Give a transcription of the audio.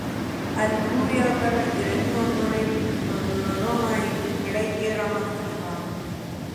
ال بویه دغه ایراني واکمنۍ په څلورمه هجري پيړۍ کې رامنځته شوه.